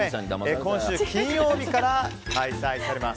今週金曜日から開催されます。